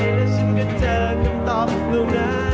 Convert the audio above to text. ถ้าฉันก็เจอก็ตอบลวงร้าน